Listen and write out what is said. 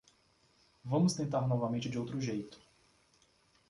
Vamos tentar novamente de outro jeito